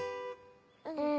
うん。